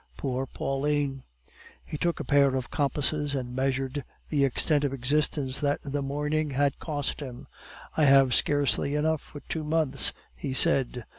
Poor Pauline! " He took a pair of compasses and measured the extent of existence that the morning had cost him. "I have scarcely enough for two months!" he said.